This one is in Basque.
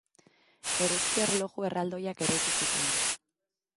Eguzki erloju erraldoiak eraiki zituen.